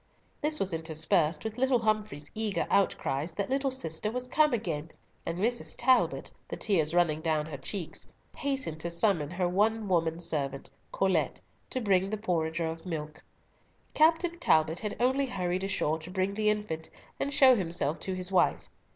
This was interspersed with little Humfrey's eager outcries that little sister was come again, and Mrs. Talbot, the tears running down her cheeks, hastened to summon her one woman servant, Colet, to bring the porringer of milk. Captain Talbot had only hurried ashore to bring the infant, and show himself to his wife.